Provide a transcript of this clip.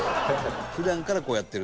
普段からこうやってる。